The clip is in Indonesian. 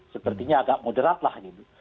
sepertinya agak moderat lah gitu